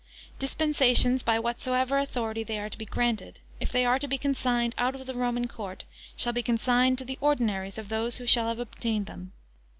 Dispensations, by whatsoever authority they are to be granted, if they are to be consigned out of the Roman court, shall be [Page 166] consigned to the Ordinaries of those who shall have obtained them.